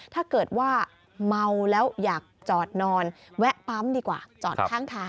ถ้าเกิดว่าเมาแล้วอยากจอดนอนแวะปั๊มดีกว่าจอดข้างทาง